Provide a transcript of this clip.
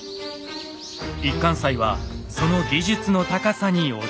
一貫斎はその技術の高さに驚きます。